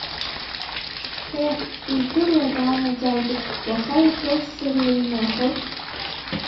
Еҳ, издыруада анаџьалбеит, уаха икылсзар лыҩны ахыб?!